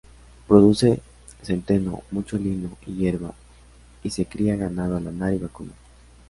Produce centeno, mucho lino y yerba, y se cría ganado lanar y vacuno.